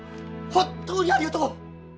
本当にありがとう！